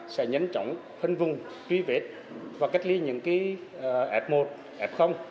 sẽ nhấn chóng phân vùng truy vệt và cách ly những cái f một f